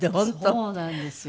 そうなんですよ。